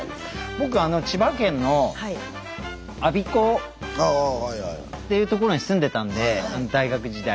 僕千葉県の我孫子っていうところに住んでたんで大学時代。